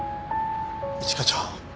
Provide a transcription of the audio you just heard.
一課長！